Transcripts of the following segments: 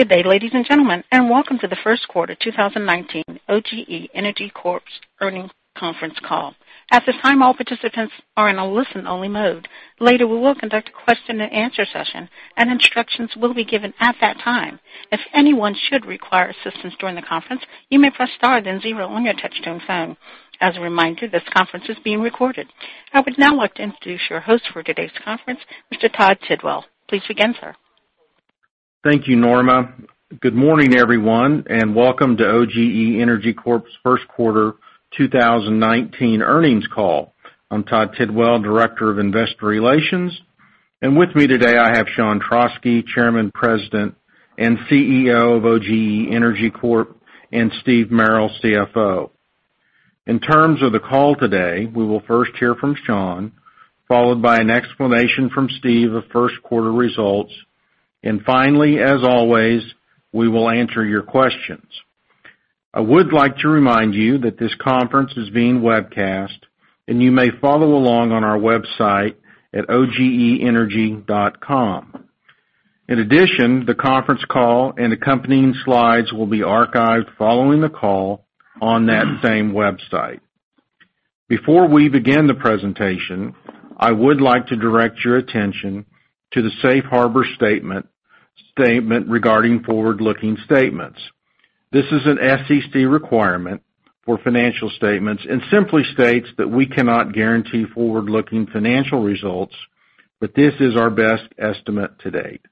Good day, ladies and gentlemen, and welcome to the first quarter 2019 OGE Energy Corp.'s Earnings Conference Call. At this time, all participants are in a listen-only mode. Later, we will conduct a question and answer session, and instructions will be given at that time. If anyone should require assistance during the conference, you may press star then zero on your touch-tone phone. As a reminder, this conference is being recorded. I would now like to introduce your host for today's conference, Mr. Todd Tidwell. Please begin, sir. Thank you, Norma. Good morning, everyone, and welcome to OGE Energy Corp.'s first quarter 2019 earnings call. I'm Todd Tidwell, Director of Investor Relations. With me today, I have Sean Trauschke, Chairman, President, and CEO of OGE Energy Corp., and Steve Merrill, CFO. In terms of the call today, we will first hear from Sean, followed by an explanation from Steve of first quarter results, and finally, as always, we will answer your questions. I would like to remind you that this conference is being webcast, and you may follow along on our website at ogeenergy.com. In addition, the conference call and accompanying slides will be archived following the call on that same website. Before we begin the presentation, I would like to direct your attention to the safe harbor statement regarding forward-looking statements. This is an SEC requirement for financial statements and simply states that we cannot guarantee forward-looking financial results, but this is our best estimate to date.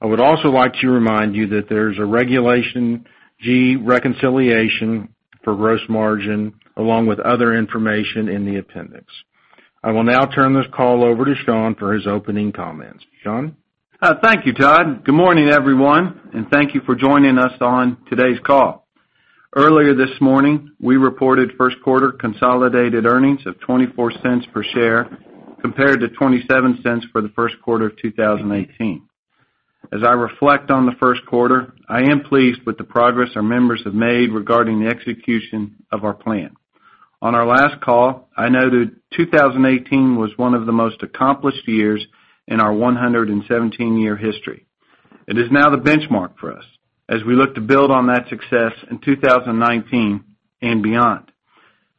I would also like to remind you that there's a Regulation G reconciliation for gross margin, along with other information in the appendix. I will now turn this call over to Sean for his opening comments. Sean? Thank you, Todd. Good morning, everyone, and thank you for joining us on today's call. Earlier this morning, we reported first quarter consolidated earnings of $0.24 per share, compared to $0.27 for the first quarter of 2018. As I reflect on the first quarter, I am pleased with the progress our members have made regarding the execution of our plan. On our last call, I noted 2018 was one of the most accomplished years in our 117-year history. It is now the benchmark for us as we look to build on that success in 2019 and beyond.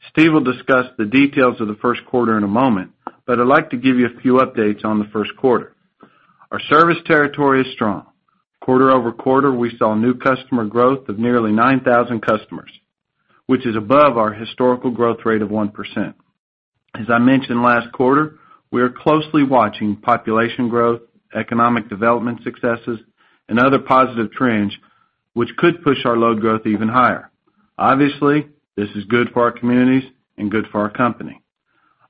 Steve will discuss the details of the first quarter in a moment, but I'd like to give you a few updates on the first quarter. Our service territory is strong. Quarter-over-quarter, we saw new customer growth of nearly 9,000 customers, which is above our historical growth rate of 1%. As I mentioned last quarter, we are closely watching population growth, economic development successes, and other positive trends which could push our load growth even higher. Obviously, this is good for our communities and good for our company.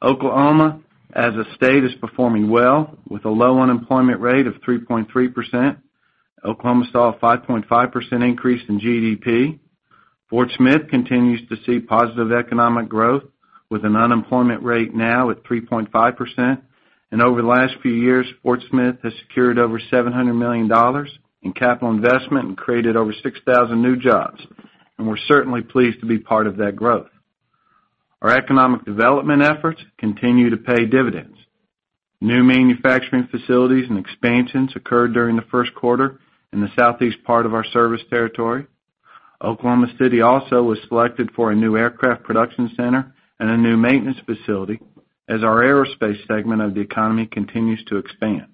Oklahoma, as a state, is performing well with a low unemployment rate of 3.3%. Oklahoma saw a 5.5% increase in GDP. Fort Smith continues to see positive economic growth with an unemployment rate now at 3.5%. Over the last few years, Fort Smith has secured over $700 million in capital investment and created over 6,000 new jobs. We're certainly pleased to be part of that growth. Our economic development efforts continue to pay dividends. New manufacturing facilities and expansions occurred during the first quarter in the southeast part of our service territory. Oklahoma City also was selected for a new aircraft production center and a new maintenance facility as our aerospace segment of the economy continues to expand.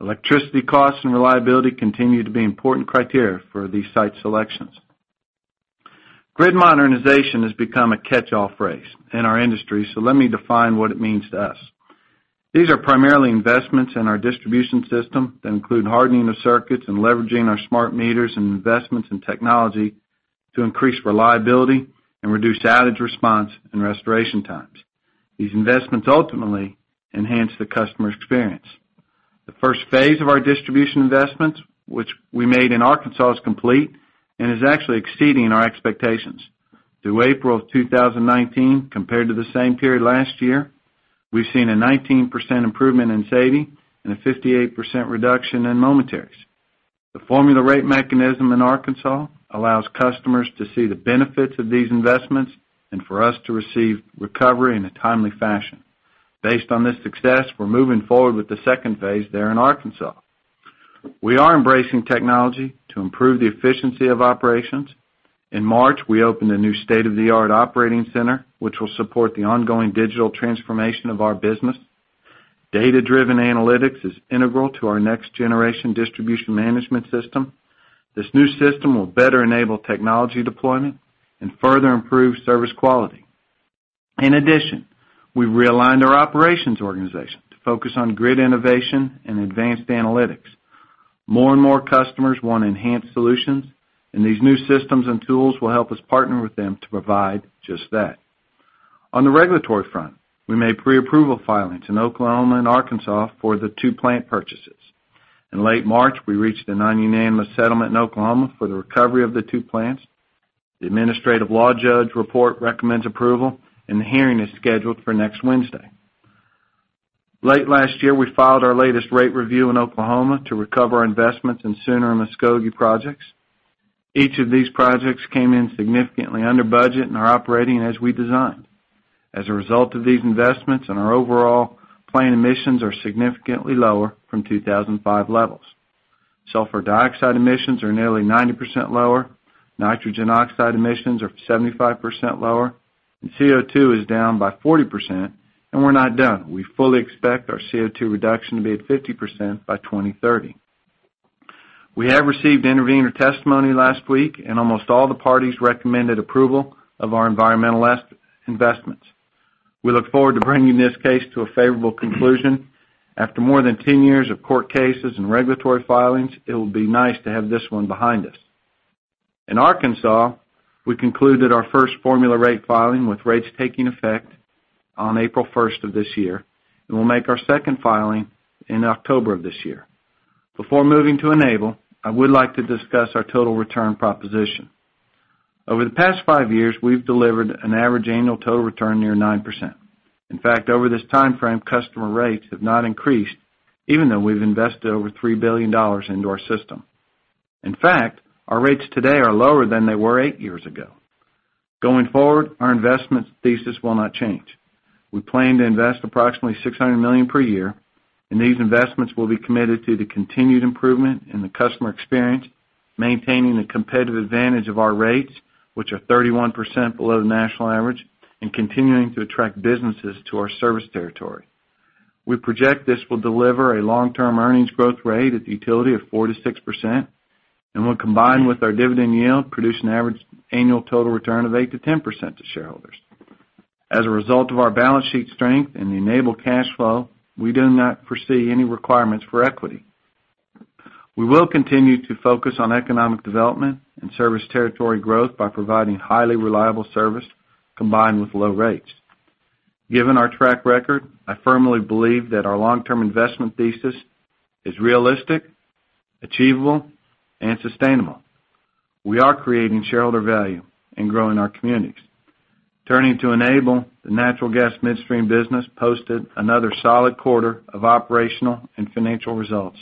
Electricity costs and reliability continue to be important criteria for these site selections. Grid modernization has become a catch-all phrase in our industry, so let me define what it means to us. These are primarily investments in our distribution system that include hardening of circuits and leveraging our smart meters and investments in technology to increase reliability and reduce outage response and restoration times. These investments ultimately enhance the customer experience. The first phase of our distribution investments, which we made in Arkansas, is complete and is actually exceeding our expectations. Through April of 2019, compared to the same period last year, we've seen a 19% improvement in saving and a 58% reduction in momentaries. The formula rate mechanism in Arkansas allows customers to see the benefits of these investments and for us to receive recovery in a timely fashion. Based on this success, we're moving forward with the second phase there in Arkansas. We are embracing technology to improve the efficiency of operations. In March, we opened a new state-of-the-art operating center, which will support the ongoing digital transformation of our business. Data-driven analytics is integral to our next generation distribution management system. This new system will better enable technology deployment and further improve service quality. In addition, we've realigned our operations organization to focus on grid innovation and advanced analytics. More and more customers want enhanced solutions. These new systems and tools will help us partner with them to provide just that. On the regulatory front, we made pre-approval filings in Oklahoma and Arkansas for the two plant purchases. In late March, we reached an unanimous settlement in Oklahoma for the recovery of the two plants. The administrative law judge report recommends approval, and the hearing is scheduled for next Wednesday. Late last year, we filed our latest rate review in Oklahoma to recover our investments in Sooner and Muskogee projects. Each of these projects came in significantly under budget and are operating as we designed. As a result of these investments and our overall plan, emissions are significantly lower from 2005 levels. Sulfur dioxide emissions are nearly 90% lower, nitrogen oxide emissions are 75% lower, and CO2 is down by 40%. We're not done. We fully expect our CO2 reduction to be at 50% by 2030. We have received intervener testimony last week. Almost all the parties recommended approval of our environmental investments. We look forward to bringing this case to a favorable conclusion. After more than 10 years of court cases and regulatory filings, it will be nice to have this one behind us. In Arkansas, we concluded our first formula rate filing, with rates taking effect on April 1st of this year. We'll make our second filing in October of this year. Before moving to Enable, I would like to discuss our total return proposition. Over the past five years, we've delivered an average annual total return near 9%. In fact, over this timeframe, customer rates have not increased even though we've invested over $3 billion into our system. In fact, our rates today are lower than they were eight years ago. Going forward, our investment thesis will not change. We plan to invest approximately $600 million per year. These investments will be committed to the continued improvement in the customer experience, maintaining the competitive advantage of our rates, which are 31% below the national average, and continuing to attract businesses to our service territory. We project this will deliver a long-term earnings growth rate at the utility of 4%-6%. When combined with our dividend yield, produce an average annual total return of 8%-10% to shareholders. As a result of our balance sheet strength and the Enable cash flow, we do not foresee any requirements for equity. We will continue to focus on economic development and service territory growth by providing highly reliable service combined with low rates. Given our track record, I firmly believe that our long-term investment thesis is realistic, achievable, and sustainable. We are creating shareholder value and growing our communities. Turning to Enable, the natural gas midstream business posted another solid quarter of operational and financial results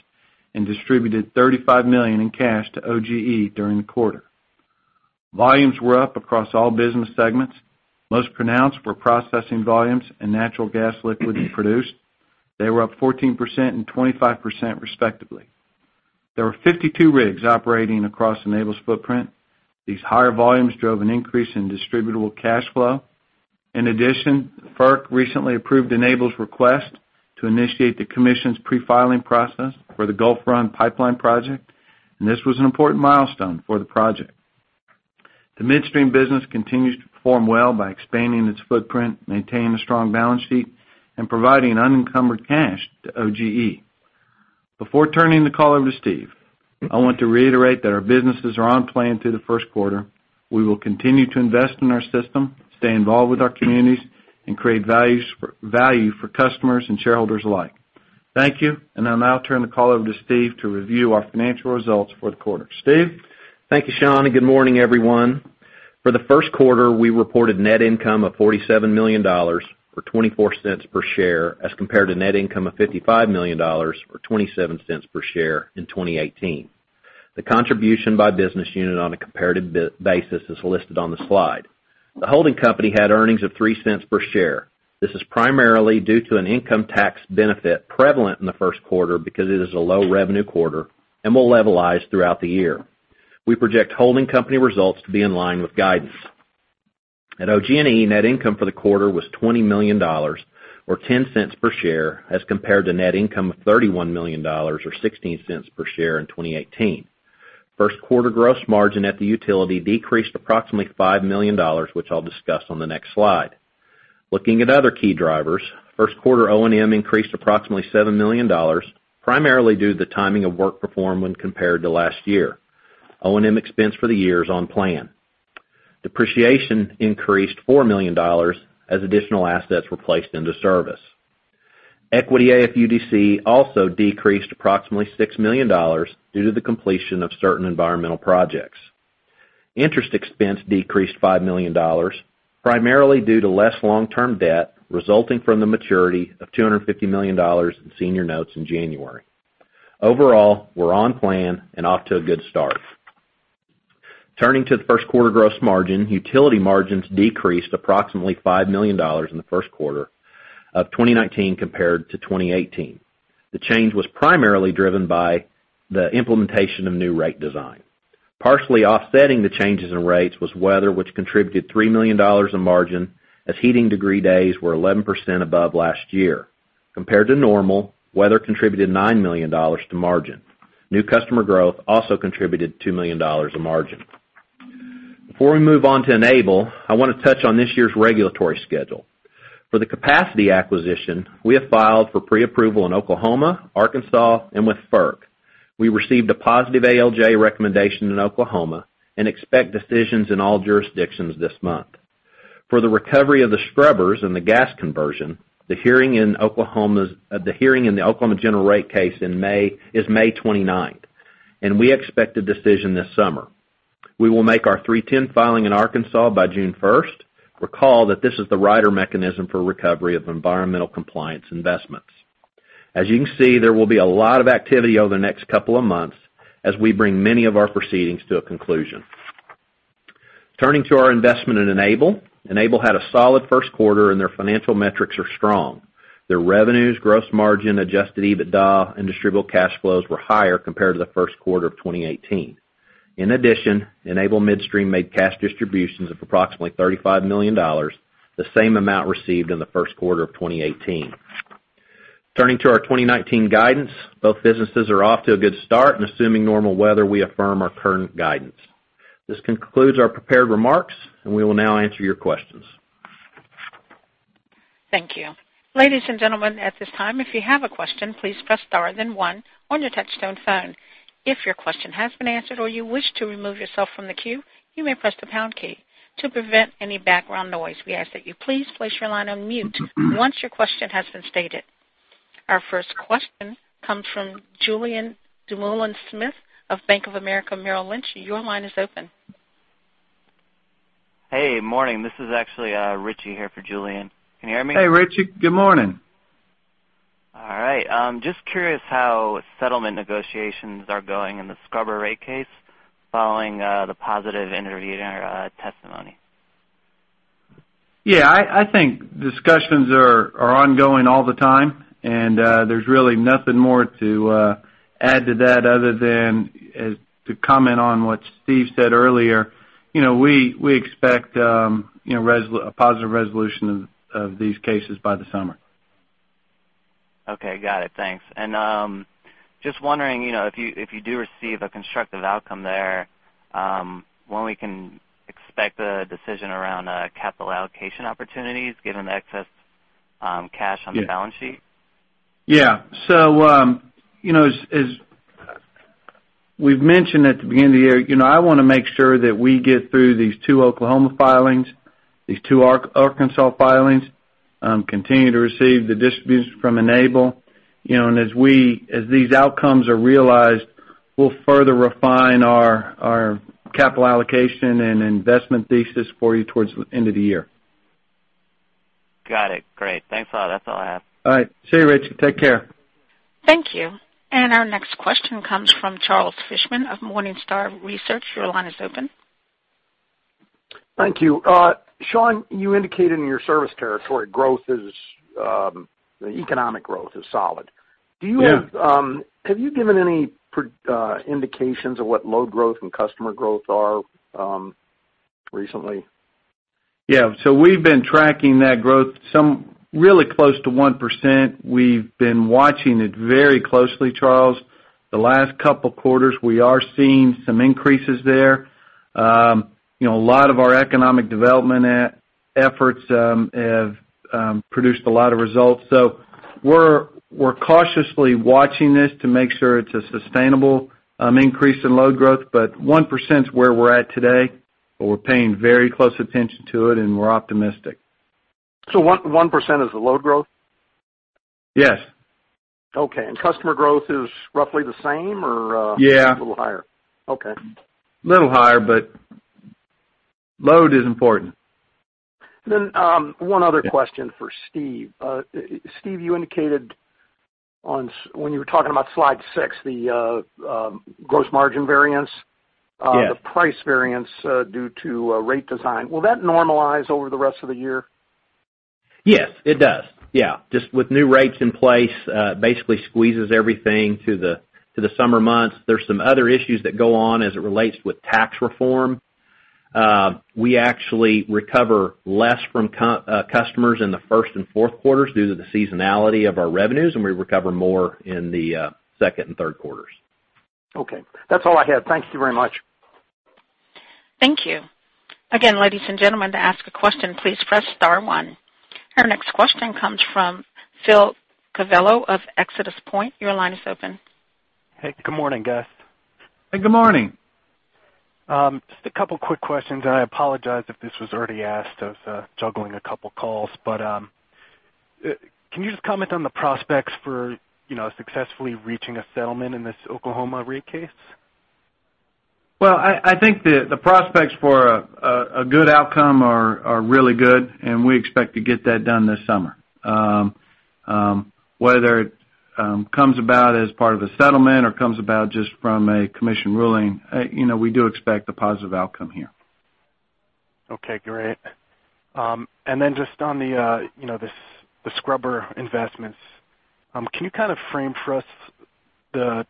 and distributed $35 million in cash to OGE during the quarter. Volumes were up across all business segments. Most pronounced were processing volumes and natural gas liquids produced. They were up 14% and 25% respectively. There were 52 rigs operating across Enable's footprint. These higher volumes drove an increase in distributable cash flow. In addition, FERC recently approved Enable's request to initiate the commission's pre-filing process for the Gulf Run Pipeline project. This was an important milestone for the project. The midstream business continues to perform well by expanding its footprint, maintaining a strong balance sheet, and providing unencumbered cash to OGE. Before turning the call over to Steve, I want to reiterate that our businesses are on plan through the first quarter. We will continue to invest in our system, stay involved with our communities, and create value for customers and shareholders alike. Thank you. I'll now turn the call over to Steve to review our financial results for the quarter. Steve? Thank you, Sean, and good morning, everyone. For the first quarter, we reported net income of $47 million, or $0.24 per share, as compared to net income of $55 million or $0.27 per share in 2018. The contribution by business unit on a comparative basis is listed on the slide. The holding company had earnings of $0.03 per share. This is primarily due to an income tax benefit prevalent in the first quarter because it is a low-revenue quarter and will levelize throughout the year. We project holding company results to be in line with guidance. At OG&E, net income for the quarter was $20 million or $0.10 per share as compared to net income of $31 million or $0.16 per share in 2018. First quarter gross margin at the utility decreased approximately $5 million, which I'll discuss on the next slide. Looking at other key drivers, first quarter O&M increased approximately $7 million, primarily due to the timing of work performed when compared to last year. O&M expense for the year is on plan. Depreciation increased $4 million as additional assets were placed into service. Equity AFUDC also decreased approximately $6 million due to the completion of certain environmental projects. Interest expense decreased $5 million, primarily due to less long-term debt resulting from the maturity of $250 million in senior notes in January. Overall, we're on plan and off to a good start. Turning to the first quarter gross margin, utility margins decreased approximately $5 million in the first quarter of 2019 compared to 2018. The change was primarily driven by the implementation of new rate design. Partially offsetting the changes in rates was weather, which contributed $3 million in margin as heating degree days were 11% above last year. Compared to normal, weather contributed $9 million to margin. New customer growth also contributed $2 million in margin. Before we move on to Enable, I want to touch on this year's regulatory schedule. For the capacity acquisition, we have filed for pre-approval in Oklahoma, Arkansas, and with FERC. We received a positive ALJ recommendation in Oklahoma and expect decisions in all jurisdictions this month. For the recovery of the scrubbers and the gas conversion, the hearing in the Oklahoma general rate case is May 29th, and we expect a decision this summer. We will make our 310 filing in Arkansas by June 1st. Recall that this is the rider mechanism for recovery of environmental compliance investments. As you can see, there will be a lot of activity over the next couple of months as we bring many of our proceedings to a conclusion. Turning to our investment at Enable. Enable had a solid first quarter and their financial metrics are strong. Their revenues, gross margin, adjusted EBITDA, and distributable cash flows were higher compared to the first quarter of 2018. In addition, Enable Midstream made cash distributions of approximately $35 million, the same amount received in the first quarter of 2018. Turning to our 2019 guidance. Both businesses are off to a good start, and assuming normal weather, we affirm our current guidance. This concludes our prepared remarks, and we will now answer your questions. Thank you. Ladies and gentlemen, at this time, if you have a question, please press star then one on your touchtone phone. If your question has been answered or you wish to remove yourself from the queue, you may press the pound key. To prevent any background noise, we ask that you please place your line on mute once your question has been stated. Our first question comes from Julien Dumoulin-Smith of Bank of America Merrill Lynch. Your line is open. Hey, morning. This is actually Richie here for Julian. Can you hear me? Hey, Richie. Good morning. All right. Just curious how settlement negotiations are going in the scrubber rate case following the positive intervener testimony. I think discussions are ongoing all the time. There's really nothing more to add to that other than to comment on what Steve said earlier. We expect a positive resolution of these cases by the summer. Okay, got it. Thanks. Just wondering, if you do receive a constructive outcome there, when we can expect a decision around capital allocation opportunities given the excess cash on the balance sheet? As we've mentioned at the beginning of the year, I want to make sure that we get through these two Oklahoma filings, these two Arkansas filings, continue to receive the distributions from Enable. As these outcomes are realized, we'll further refine our capital allocation and investment thesis for you towards the end of the year. Got it. Great. Thanks a lot. That's all I have. All right. See you, Richie. Take care. Thank you. Our next question comes from Charles Fishman of Morningstar Research. Your line is open. Thank you. Sean, you indicated in your service territory, the economic growth is solid. Yeah. Have you given any indications of what load growth and customer growth are recently? Yeah. We've been tracking that growth, some really close to 1%. We've been watching it very closely, Charles. The last couple quarters, we are seeing some increases there. A lot of our economic development efforts have produced a lot of results. We're cautiously watching this to make sure it's a sustainable increase in load growth, but 1%'s where we're at today, but we're paying very close attention to it, and we're optimistic. 1% is the load growth? Yes. Okay. Customer growth is roughly the same. Yeah a little higher. Okay. Little higher, load is important. One other question for Steve. Steve, you indicated when you were talking about slide six, the gross margin variance. Yes. The price variance due to rate design. Will that normalize over the rest of the year? Yes, it does. Yeah. Just with new rates in place basically squeezes everything to the summer months. There's some other issues that go on as it relates with tax reform. We actually recover less from customers in the first and fourth quarters due to the seasonality of our revenues, and we recover more in the second and third quarters. Okay. That's all I had. Thank you very much. Thank you. Again, ladies and gentlemen, to ask a question, please press star one. Our next question comes from Phil Cavello of ExodusPoint. Your line is open. Hey, good morning, guys. Hey, good morning. Just a couple quick questions. I apologize if this was already asked. I was juggling two calls. Can you just comment on the prospects for successfully reaching a settlement in this Oklahoma rate case? I think the prospects for a good outcome are really good. We expect to get that done this summer. Whether it comes about as part of a settlement or comes about just from a commission ruling, we do expect a positive outcome here. Okay, great. Just on the scrubber investments, can you kind of frame for us the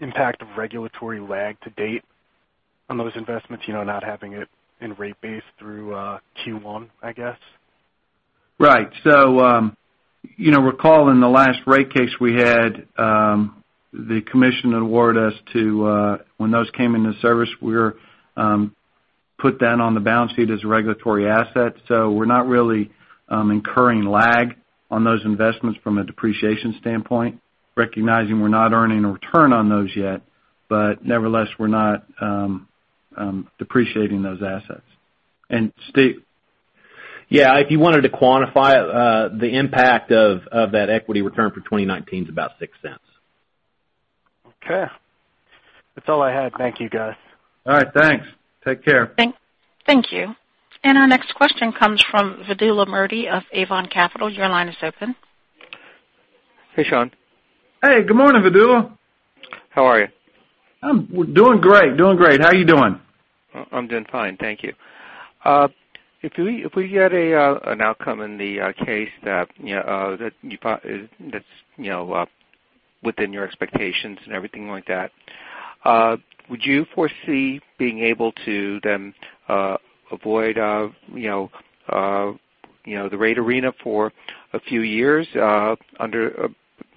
impact of regulatory lag to date on those investments, not having it in rate base through Q1, I guess? Right. Recall in the last rate case we had, the commission awarded us when those came into service, we were put that on the balance sheet as a regulatory asset. We're not really incurring lag on those investments from a depreciation standpoint, recognizing we're not earning a return on those yet. Nevertheless, we're not depreciating those assets. Yeah. If you wanted to quantify the impact of that equity return for 2019 is about $0.06. Okay. That's all I had. Thank you, guys. All right, thanks. Take care. Thank you. Our next question comes from Vidula Mirani of Avon Capital. Your line is open. Hey, Sean. Hey, good morning, Vidula. How are you? I'm doing great. How are you doing? I'm doing fine, thank you. If we get an outcome in the case that's within your expectations and everything like that, would you foresee being able to then avoid the rate arena for a few years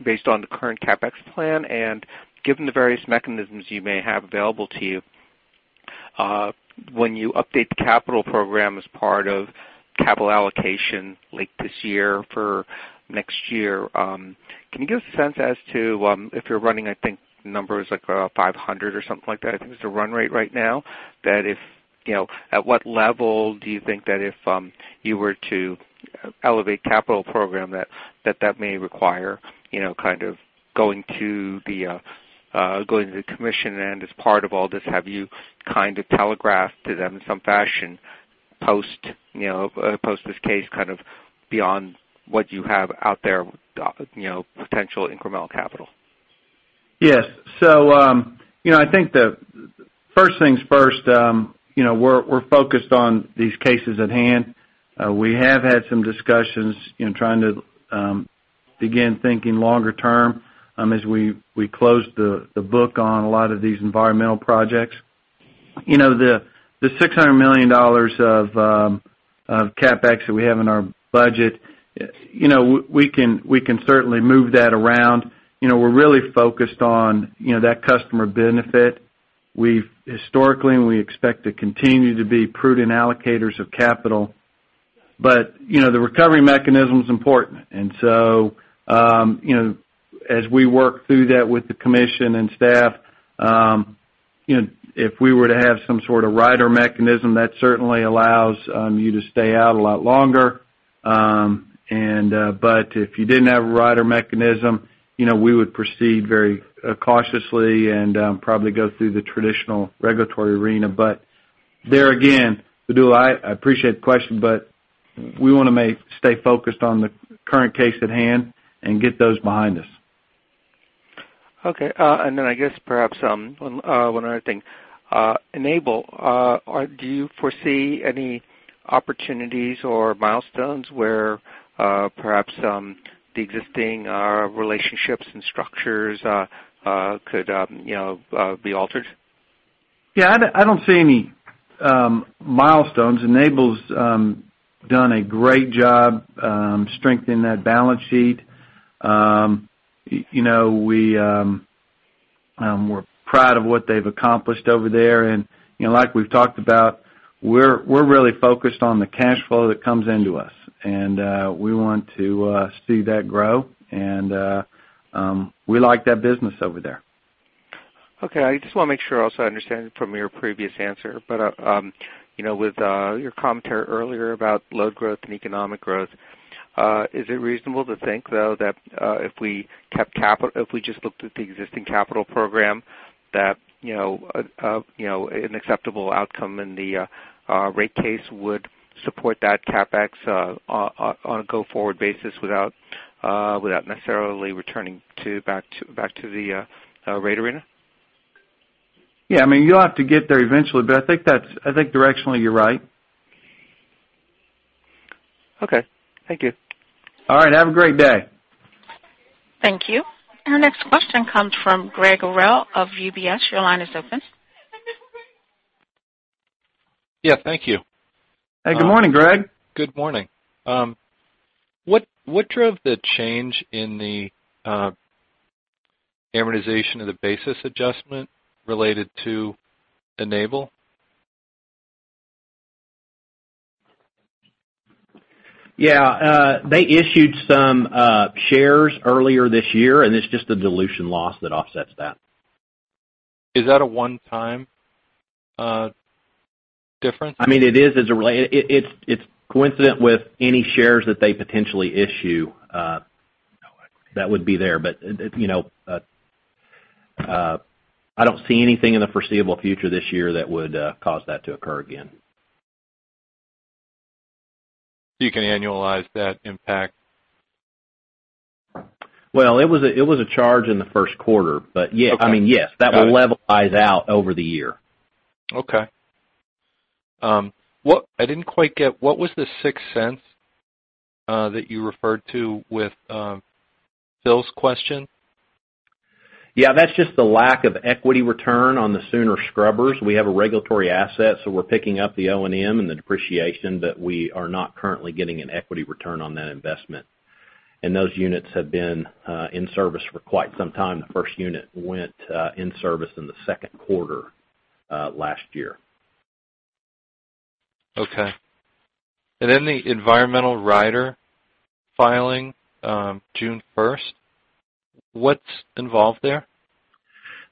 based on the current CapEx plan and given the various mechanisms you may have available to you? When you update the capital program as part of capital allocation late this year for next year, can you give us a sense as to if you're running, I think, numbers like $500 or something like that, I think is the run rate right now. At what level do you think that if you were to elevate capital program that may require going to the commission? As part of all this, have you telegraphed to them in some fashion post this case, kind of beyond what you have out there, potential incremental capital? Yes. I think the first things first, we're focused on these cases at hand. We have had some discussions in trying to begin thinking longer term as we close the book on a lot of these environmental projects. The $600 million of CapEx that we have in our budget, we can certainly move that around. We're really focused on that customer benefit. We've historically, and we expect to continue to be prudent allocators of capital. The recovery mechanism's important, as we work through that with the commission and staff, if we were to have some sort of rider mechanism, that certainly allows you to stay out a lot longer. If you didn't have a rider mechanism, we would proceed very cautiously and probably go through the traditional regulatory arena. There again, Vidula, I appreciate the question, but we want to stay focused on the current case at hand and get those behind us. Okay. Then I guess perhaps one other thing. Enable, do you foresee any opportunities or milestones where perhaps the existing relationships and structures could be altered? Yeah, I don't see any milestones. Enable's done a great job strengthening that balance sheet. We're proud of what they've accomplished over there. Like we've talked about, we're really focused on the cash flow that comes into us. We want to see that grow, and we like that business over there. Okay. I just want to make sure also I understand it from your previous answer. With your commentary earlier about load growth and economic growth, is it reasonable to think, though, that if we just looked at the existing capital program, that an acceptable outcome in the rate case would support that CapEx on a go-forward basis without necessarily returning back to the rate arena? Yeah. You'll have to get there eventually, but I think directionally you're right. Okay. Thank you. All right. Have a great day. Thank you. Our next question comes from Greg Erel of UBS. Your line is open. Thank you. Hey, good morning, Greg. Good morning. What drove the change in the amortization of the basis adjustment related to Enable? They issued some shares earlier this year, and it's just a dilution loss that offsets that. Is that a one-time difference? It's coincident with any shares that they potentially issue that would be there. I don't see anything in the foreseeable future this year that would cause that to occur again. You can annualize that impact? It was a charge in the first quarter. Got it. Yes, that will levelize out over the year. I didn't quite get, what was the $0.06 that you referred to with Phil's question? That's just the lack of equity return on the Sooner Scrubbers. We have a regulatory asset, so we're picking up the O&M and the depreciation, but we are not currently getting an equity return on that investment. Those units have been in service for quite some time. The first unit went in service in the second quarter last year. The environmental rider filing June 1st, what's involved there?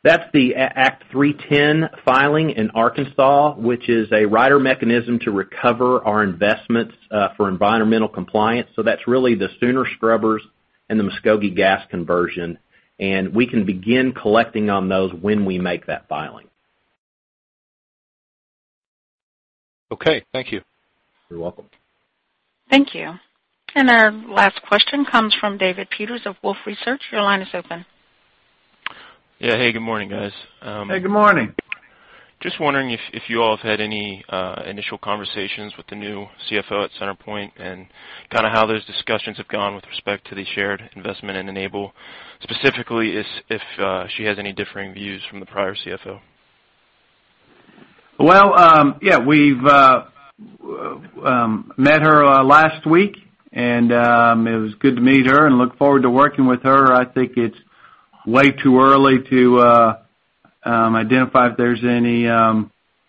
That's the Act 310 filing in Arkansas, which is a rider mechanism to recover our investments for environmental compliance. That's really the Sooner Scrubbers and the Muskogee gas conversion. We can begin collecting on those when we make that filing. Thank you. You're welcome. Thank you. Our last question comes from David Peters of Wolfe Research. Your line is open. Yeah. Hey, good morning, guys. Hey, good morning. Just wondering if you all have had any initial conversations with the new CFO at CenterPoint and how those discussions have gone with respect to the shared investment in Enable. Specifically, if she has any differing views from the prior CFO. Well, yeah, we've met her last week. It was good to meet her and look forward to working with her. I think it's way too early to identify if there's any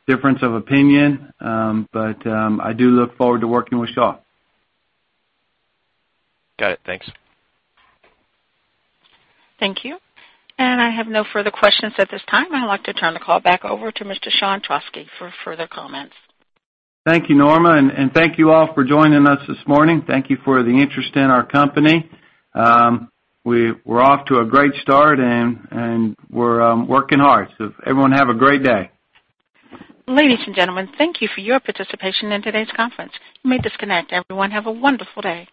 difference of opinion. I do look forward to working with Sean. Got it. Thanks. Thank you. I have no further questions at this time. I'd like to turn the call back over to Mr. Sean Trauschke for further comments. Thank you, Norma. Thank you all for joining us this morning. Thank you for the interest in our company. We're off to a great start, and we're working hard. Everyone have a great day. Ladies and gentlemen, thank you for your participation in today's conference. You may disconnect. Everyone, have a wonderful day.